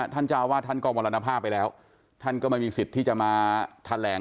เจ้าวาดท่านก็มรณภาพไปแล้วท่านก็ไม่มีสิทธิ์ที่จะมาแถลง